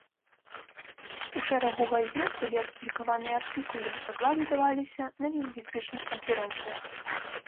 У шэрагу газет былі апублікаваныя артыкулы, даклады даваліся на лінгвістычных канферэнцыях.